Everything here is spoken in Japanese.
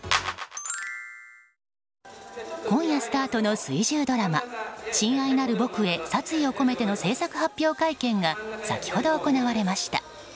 今夜スタートの水１０ドラマ「親愛なる僕へ殺意をこめて」の制作発表会見が先ほど行われました。